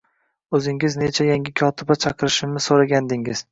-O`zingiz kecha yangi kotiba chaqirishimni so`ragandingiz